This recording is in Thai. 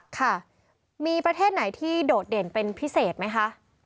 ค่ะมีประเทศไหนที่โดดเด่นเป็นพิเศษไหมคะ